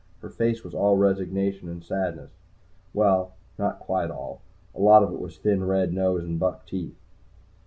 Her face was all resignation and sadness. Well, not quite all. A lot of it was thin, red nose and buck teeth.